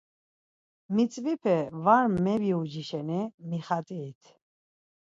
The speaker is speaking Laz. Mitzvipe var mebiuci şeni mixat̆irit.